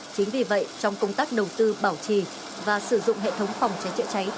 chính vì vậy trong công tác đầu tư bảo trì và sử dụng hệ thống phòng cháy chữa cháy